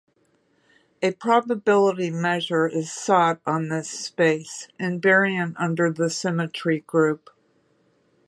A probability measure is sought on this space, invariant under the symmetry group.